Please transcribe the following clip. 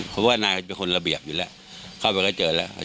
เพราะว่านายเป็นคนระเบียบอยู่แล้วเข้าไปก็เจอแล้ว